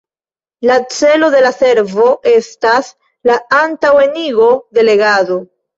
La celo de la servo estas la antaŭenigo de legado.